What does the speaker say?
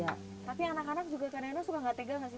tapi anak anak juga kadang kadang suka gak tegal nggak sih